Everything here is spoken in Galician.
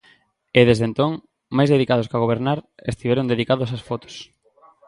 E desde entón, máis dedicados que a gobernar, estiveron dedicados ás fotos.